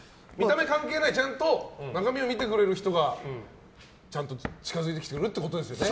ちゃんと中身を見てくれる人がちゃんと近づいてきてくれるってことですよね。